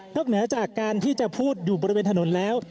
เหนือจากการที่จะพูดอยู่บริเวณถนนแล้ว